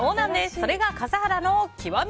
それが笠原の極み。